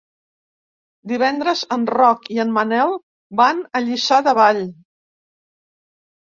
Divendres en Roc i en Manel van a Lliçà de Vall.